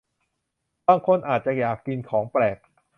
บางคนอาจจะอยากกินของแปลก